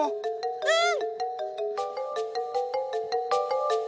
うん！